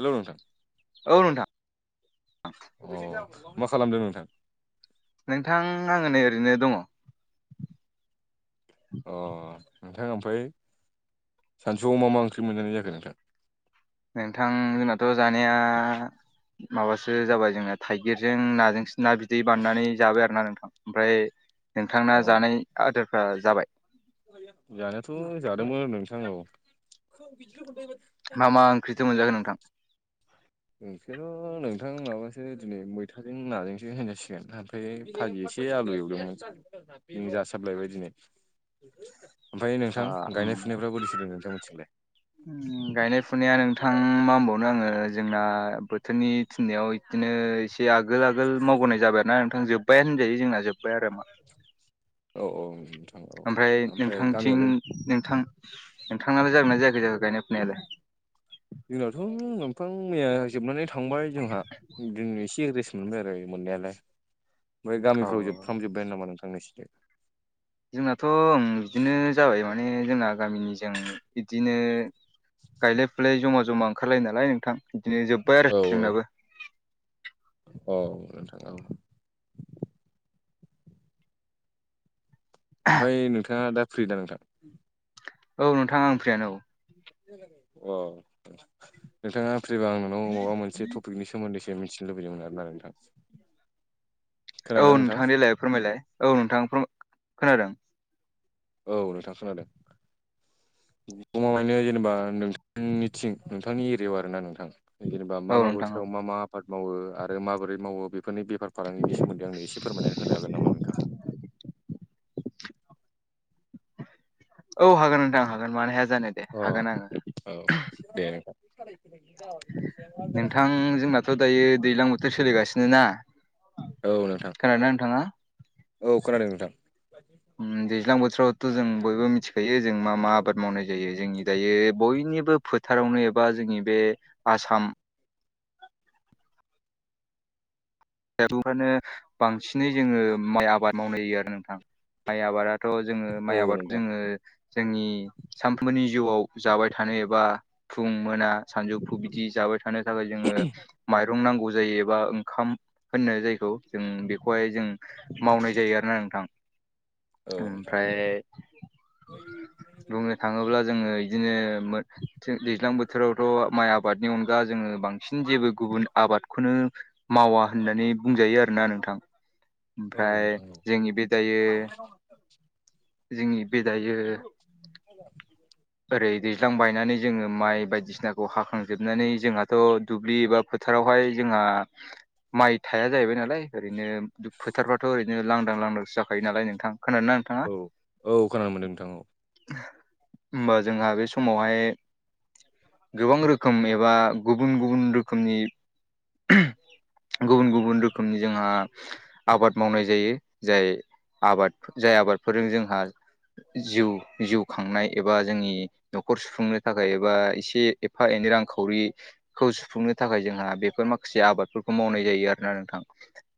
Hello नोंथां औ नोंथां अ मा खालामदों नोंथां। नोंथां आङो नै ओरैनो दङ। अ नोंथां ओमफ्राय सानसुआव मा मा ओंख्रि मोनजानाय जाखोना नोंथां नोंथां जोंनाथ' जानाया माबासो जाबाय जोंना थाइगिरजों नाजों। ना बिदि बाननानै जाबाय आरो ना नोंथां ओमफ्राय नोंथांना अ जानाय आदारफ्रा जाबाय। जानायाथ' जादोंमोन नोंथांङा मा म ओंख्रिथो मोनजागोन नोंथां। नोंसोरथ' नोंथां माबासो दिनै मैथाजों नाजोंसो होनजासिगोन ओमफ्राय। थाजि एसे आलु एवलोनस बेनो जासाबलायबाय दिनै। ओमफ्राय नोंथां गायनाय फुनायफ्रा बोरै सोदों नोंथां मिथिलाय। गायनाय फुनाया नोंथां मा होनबावनो आङो। जोंना बोथोरनि थिननायाव बिदिनो एसे आगोल आगोल मावबोनाय जाबाय ना नोंथां जोब साया होनजायो जोंना जोब्बाय आरो मा। औ औ। औ ओमफ्राय नोंथांथिं नोंथां नोंथाङालाय जागोन नना जाय जा गायनाय। फुनायालाय जोंनावथ' दंफां मैया जोबनानै। थांबाय जोंहा दिननो एसे एड्रेस मोनबाय आरो मोननायालाय। ओमफ्राय औ गामिफ्राव औ जोबफ्रामजोब्बायानो नामा नोंथांनिसोरो जोंनाथ' बिदिनो जाबाय माने जोंना गामिनिजों बिदिनो गायलाय फुलाय जमा जमा ओंखारलायो नालाय नोंथां बिदिनो जोब्बाय औ आरो औ जोंनाबो। औ थ ओमफफ्राय नोंथाङा दा फ्रि दा नोंथां। औ नोंथां आं फ्रियानो औ। अ नोंथाङा फैबा आंननाव माबा मोनसे टपिकनि सायाव सोमोन्दैसो मिथिनो लुबैदोंमोन आरो ना नोंथां। औ नोंथां देलाय फोरमायलाय औ नोंथां खोनादों। औ नोंथां खोनादों। दङायनो जेनेबा नोंथांनिथिं नोंथांनि एरियायाव आर ना नोंथां। जेनेबा मा औ मा नोंथां औ बोथोराव मा मा आबाद मावो आरो माबोरै मावो बे बेफोरनि बेफारालांगनि सोमोन्दै आंनो ए फोरमायनानै होन हागोन नामा नोंथाङा। औ हागोन नोंथां हागोन मानो हाया जानो दे हागोन अ आङो। औ द नोंथां जोंनाथ' दायो दैज्लां बोथोर सोलिगासिनो ना औ नोंथां खोनादोंना नोंथाङा? औ खोनादों नोंथां। दैज्लां बोथोरावथ' जों बयबो मिथिखायो जों मा मा आबाद मावनाय जायो जोंनि। दायो बयनिबो फोथारावनो एबा जोंनि बे आसाम फौफ्रनो बांसिनै जोङो माइ आबाद मावनाय होायो आरो नोंथां माइ आबादा। थ' जोङो औ माइ आबादखौ नोंथां जोङो जोंनि सानफ्रोमबोनि जिउआव जाबाय थानो एबा। फुं मोना सानजौफु बिदि जाबाय थानो थाखाय जोङो माइरं नांगौ जायोबा ओंखाम। होननो जायखौ जों बेखौहाय जों मावनाय जायो आरोना नोंथां। औ नोंथां ओमफ्राय बुङो थाङोब्ला जोङो बिदिनो दैज्लां बोथोरावथ' माइ आबादनि अनगा जोङो बांसिन बांसिन जेबो गुबुन आबादखौनो मावा होननानै बुं जायो आरोोना नोंथां औ ओमफ्राय नोंथां जोंनि बे दायो जोंनि बे दायो ओरै दैज्लां बायनानै जोङो माइ बायदिसिनाखौ हाखांजोबनानै जोंहाथ' दुब्लि एबा फोथारावहाय जोंहा माइ थाया जाहैबाय नालाय ओरैनो फोारफथ' ओरैनो लांदां लांदां जाखायो नालाय नोंथां खोनादों ना नोंथाङा? औ औ खोनानो मोनदों नोंथां औ हबा जोंहा बे समावहाय गोबां रोखोम एबा गुबुन गुबुन रोखोमनि गुबुन गुबुन रोखोमनि जोंहा आबाद मावनाय जायो जाय आबाद जाय आबादफोरजों जोंहा जिउ जिउ खांनाय एबा जोंनि न'खर सुफुंनो थाखाय एबा एसे एफा एनै रांखावरिखौ सुफुंनो थाखाय जोंहा बे बेफोर माखासे आबादफोरखौ मावनाय जायो आरोोना नोंथां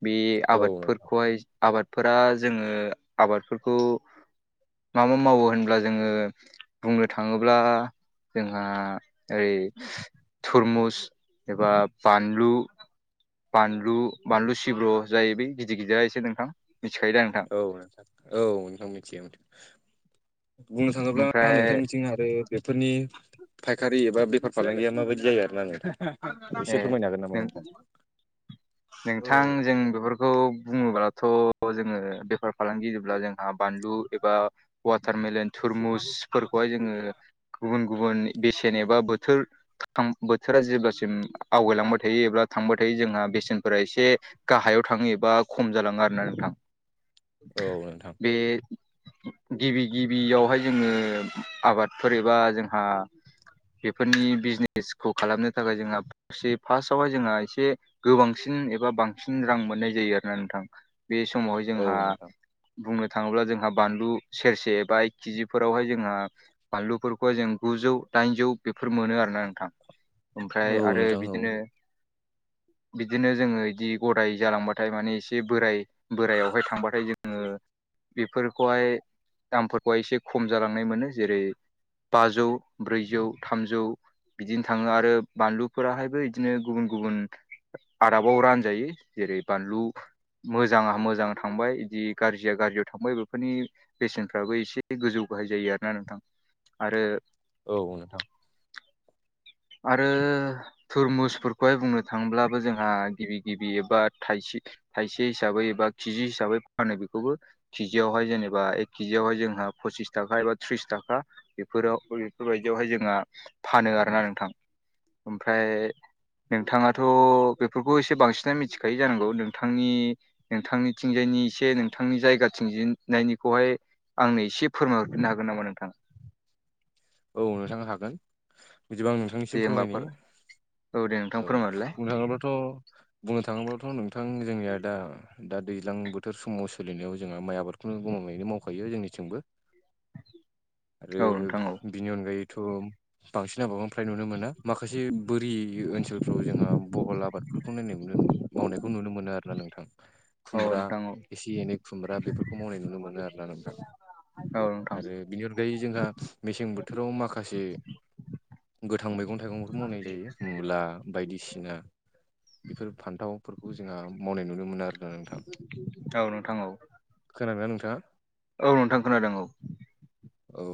बे औ आबादफोरखौहाय आबादफोरा जोङो आबादफोरखौ मा मा मावो होनब्ला जोङो बुंनो थाङोब्ला जोंहा ओरै थुरमुस एबा बानलु बानलु बानलु सिब्र' जायो बे गिदिर गिदिर एसे नोंथां मिथिखायो दा नोंथां? औ नोंथां औ नोंथां मिथियो बुंनो थाङोब्ला ओमफ्राय नोंथांनिथिं आरो बेफोरनि फायखारि एबा बेफार फालांगिया माबायदि जायो आरोना नोंथां। ए एसे फोरमायनो हागोन नामा नों नोंथां औ औ बु्लाथ' जोङो बेफार फालांगि जब्ला जोंहा बानलु एबा वाटारमेलेन थुरमुस फोरखौहाय जोङो गुबुन गुबुन बेसेन एबा बोथोर बोथोरा जेब्ला सिम आवगायलांबाय थायो एबा थांबाय थायो जोंहा बेसेनफोरा एसे गाहायाव थाङो एबा खम जालाङो आरो ना नोंथां। औ नोंथां बे गिबि गिबियावहाय जोङो आबादफोर एबा जोंहा बेफोरनि बिजनेसखौ खालामनो थाखाय जोंहा फार्स्टआवहाय जोंहा एसे गोबांसिन एबा बांसिन रां मोननाय जायो आरो ना नोंथां। बे समावहाय औ जोंहा नोंथां बुंनो थाङोब्ला जोंहा बानलु सेरसे बा एक केजि फोरावहाय जोंहा बानलुफोरखौहाय जों गुजौ दाइनजौ बेफोर मोनो आरोना नोंथां। ओमफ्राय औ आरो नोंथां औ बिदिनो बिदिनो जोङो बिदि गदाय जालांबाथाय माने एसे बोराय बोरायावहाय थांबाथाय जोङो बेफोरखौहाय दामफोरखौहाय एसे खम जालांनाय मोनो जेरै बाजौ ब्रैजौ थामजौ बिदिनो थाङो आरो बानलुफोराहायबो बिदिनो गुबुन गुबुन आदाबाव रानजायो जेरै बानलु मोजाङा मोजां थांबाय बिदि गाज्रिया गाज्रियाव थांबाय बेफोरनि बेसेनफ्राबो एसे गोजौ गाहाय जायो आरोना नोंथां आरो औ नोंथां आरो थुरमुसफोरखौहाय बुंनो थाङ्लाबो जोंहा गिबि गिबि एबा थाइसे थाइसे हिसाबै एबा केिजि हिसाबै फानो बेखौबो। केजियावहाय जेनेबा एक केजियावहाय जोंहा पसिस थाखा एबा थ्रिस थाखा। बेफोराव बेफोरबायदियावहाय जोंहा फानो आरोना नोंथां ओमफ्राय। नोंथाङाथ' बेफोरखौ एसे बांसिनानो मिथिखायो जानांगौ नोंथांनि नोंथांनि थिंजायनि एसे नोंथांनि जायगा थंजायनायनिखौहाय। आंनो एसे फोरमायहरफिननो हागोन नामा नोंथाङा। औ नोंथांनो हागोन बिदिबा आं नों दे आंनिसिम फोरमायनि होमबाफोर दे नोंथां औ फोरमायहरलाय बुंनो थाङोब्लाथ' बुंनो थाङोब्लाथ' नोंथां जोंनिया दा दा दैज्लां बोथोर समाव सोलिनायाव जोंहा माइ आबादखौनो गोमामायैनो मावखायो जोंनिथिंबो। आरो औ नोंथां औ बिनि अनगायैथ' बांसिन आबनो फ्रफ्राय नुनो मोना माखासे बोरि ओनसोलफ्राव जोंहा बहल आबादफोरखौ नायनाय मोनो। मावनायखौ नुनो मोनो आरो। नोंथां औ खुमब्रा नोंथां औ एसे एनै खुमब्रा बेफोरखौ मावनाय नुनो मोनो आरो ना नोंथां। औ नोंथां। आरो बिनि अनगायै जोंहा मेसें बोथोराव माखासे। गोथां मैगं थाइगंफोर मावनाय जायो मुला बायदिसिना। बेफोर फान्थावफोरखौ जोंहा मावनाय नुनो मोनो आरो। औ नोंथां औ खोनादोना नोंथाङा। औ नोंथां खोनादों औ। औ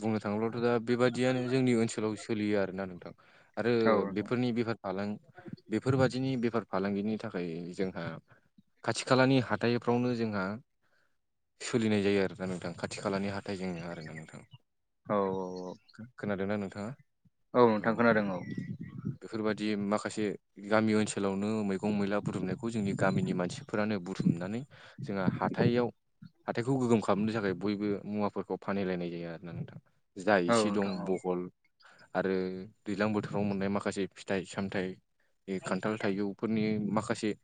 बुंनो थाङोब्लाथ' दा बेबादियानो जोंनि ओनसोलाव सोलियो आरोना नोंथां। आरो औ नोंथां बेफोरनि बेफार फालां बेफोरबादिनि बेफार फालांगिनि थाखाय जोंहा। खाथि खालानि हाथाइफ्रावनो जोंहा सोलिनाय जायो आरोना नोंथां खाथि खालानि हाथाय जेंना आरोोना नोंथां। औ। खोनादोंना नोंथाङा औ बेफोरबायाददि माखासे गामि ओनसोलावनो मैगं मैला बुथुमनायखौ जोंनि गामिनि मानसिफोरानो बुथुमनानै। जोंहा हााइाव हााइखौ गोगोम खालामनो थाखाय बयबो मुवाफोरखौ फानहलायनाय जायो आरोना नोंथां जा औ इसे दं नोंथां औ बहल आरो दैज्लां बोथोराव मोननाय माखासे फिथाइ-सामथाइ बे खान्थाल थाइजौफोरनि माखासे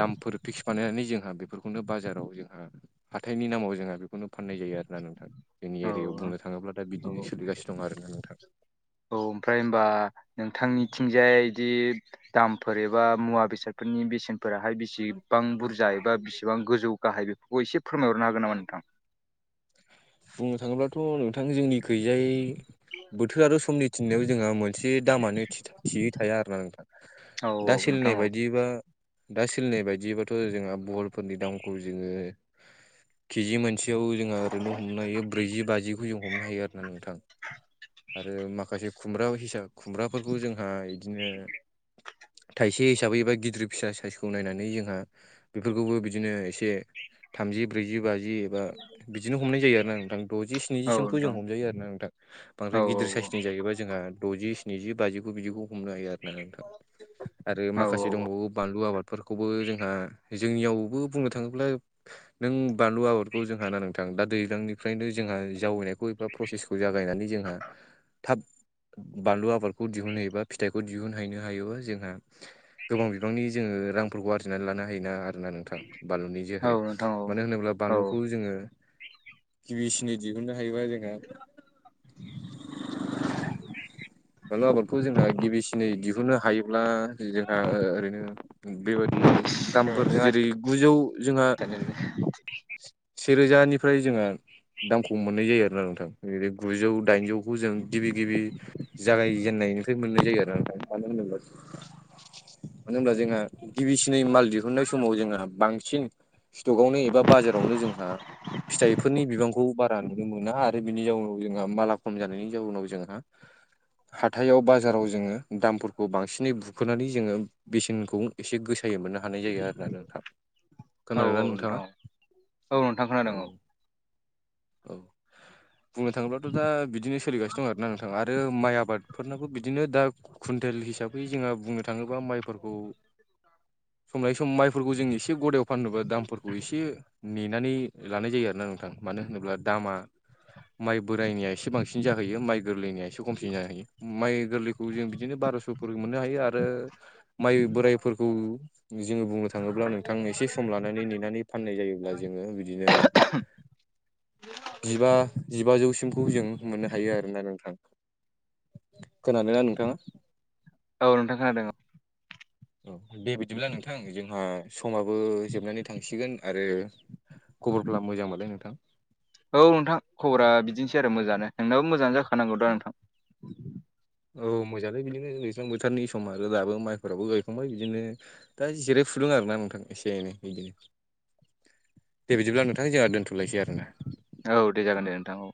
दामफोर फिक्स बानायनानै जोंहा बेफोरखौनो बाजाराव जोंहा हाथाइनि नामाव जोंहा बेखौनो फाननाय जायो आरोना नोंथां। जोंनि एरियायाव बुंनो थाङोब्ला दा औ बिदिनो सलिगानो दं आरो ना नोंथाङा। औ ओमफ्राय होनबा नोंथांनिथिंजाय बिदि दामफोर एबा मुवा बेसादफोरनि बेसेनफोराहाय बेसे बेसेबां बुरजा एबा बिसिबां गोजौ गाहाय बेफोरखौ एसे फोरमायहरनो हागोन नामा नोंथां। बुंनो थाङोब्लाथ' नोंथां जोंनि गैजायै बोथोर आरो समनि। थिनायाव जोंहा मोनसे दामानो थियै थाया आरो ना नोंथां। औ दा औ नोंथां सोलिनाय औ बायदिबा दा सोलिनाय बायदिबाथ' जोंहा बल फोरनि दामखौ जोङो केजि मोनसेयाव जोंहा ओरैनो हमनो हायो ब्रैजि बाजिखौ जों हमनो हायो आरो ना नोंथां। आरो माखासे खुमब्रा हिसाब खुमब्राफोरखौ जोंहा बिदिनो। थाइसे हिसाबै एबा गिदिर फिसा साइसखौ नायनानै जोंहा बेफोरखौबो बिदिनो एसे थामजि ब्रैजि बि एबा बिदिनो हमनाय जायो आरोना नोंथां द'जि औ स्निजिसिमखौ जों नोंथां हमजायो आरोना नोंथां। औ बांद्राय गिदिर साइसनि जाहैबा जोंहा द'जि स्निजि बाजिखौ बिदिखौ हमनो हायो आरो ना नोंथां आरो औ माखासे दंबावो बानलु आबाद। फोरखौबो जोंहा जोंनियावबो बुंनो थाङोब्ला नों बानलु आबादखौ जोंहा ना नोंथां। दा दैज्लांनिफ्रायनो जोंहा जावैनायखौ एबा प्रसेसखौ जागायनानै जोंहा थाब बानलु आबादखौ दिहुनहयोबा फिथाइखौ दिहुनहैनो हायोबा जोंहा। गोबां बिबांनि जोङो रांफोरखौ आरजिनानै लानो हायोना आरोना नोंथां। बानलुनि औ जेहरै नोंथां औ मानो होनोब्ला औ बानलुखौ जोङो। गिबिसिन दिहुननो हायोबा जोंहा बानलु आबादखौ जोंहा गिबिसिनै दिहुननो हायोब्ला जोंहा ओरैनो बेबादि औ दामफोर जेरै गुजौ जोंहा सेरोजानि फ्राय जोंहा दामखौ मोननाय जायो आरोना नोंथां जेरै गुजौ दाइनजौखौ जों गिबि गिबि जागायजेननायनिफ्राय मोननाय जायो आर ना मानो होनोब्ला मानो होनब्ला जोंहा गिबिसिनै माल दिहुननाय समाव जोंहा बांसिन स्टकआवनो एबा बाजारावनो जोंहा फिथाइफोरनि बिबांखौ बारा नुनो मोना आरो बिनि जाउनाव जोंहा माला खम जानायनि जाउनाव जोंहा हाथायाव बाजाराव जोङो दामफोरखौ बांसिनै बुखोनानै जोङो बेसेनखौ एसे गोसायै मोननो हानाय जायो आरो ना नोंथां खोनादोंना नोंथां नोंथाङा? औ नोंथां खोनादों औ। औ। बुंनो थाङोब्लाथ' दा बिदिनो सोलिगासिनो दं आरोना नोंथाङा आरो माइ आबादफोरनाबो बिदिनो दा कुइन्टेल हिसाबै जोंहा बुंनो थांङोब्ला माइफोरखौ समनाय सम माइफोरखौ जों एसे गदायाव फाननोबा दामफोरखौ एसे नेनानै लानाय जायो आरोना नोंथां मानो होनोब्ला दामा माइ बोरायनाया एसे बांसिन जाहैयो माइ गोरलैनिया एसे खमसिन जाहैयो माइ गोरलैखौ जों बिदिनो बार'स' फोर मोननो हायो आरो माइ बोराइफोरखौ जोङो बुंनो थांङोब्ला नोंथां एसे सम लानानै नेनानै फाननाय जायोब्ला जोंङो बिदिनो जिबा जिबाजौसिमखौ जों मोननो हायो आरोना नोंथां। खोनादोना नोंथाङा? औ नोंथां खोनादों। औ दे बिदिब्ला नोंथां जोंहा समाबो जोबनानै थांसिगोन आरो खबरफोरा मोजां मालाय नोंथां? औ नोंथां खबरा बिदिनोसै आरो मोजाङानो नोंनाबो मोजां जाखाानांगौ दा नोंथां। औ मोजाङानो बिदिनो दैसे्लां बोथोरनि सम आरो दाबो माइफोराबो गायखांबाय बिदिनो दा जिराय फुलुं आरोना नोंथां एसे एनै बिदिनो दे बिदिब्ला नोंथां जोंहा दोनथ'लायसै आरोना। औ दे जागोन दे नोंथां औ।